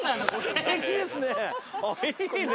すてきですね。